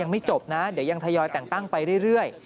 ไม่จบนะเดี๋ยวยังทยอยแต่งตั้งไปเรื่อย